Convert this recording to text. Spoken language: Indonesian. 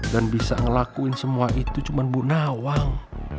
dan bisa ngelakuin semua itu cuma bu nawang